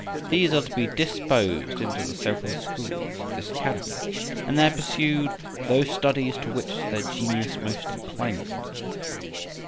These are to be disposed into the several schools of this Academy, and there pursue those studies to which their genius most inclines them.